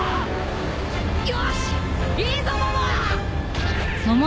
よしいいぞモモ！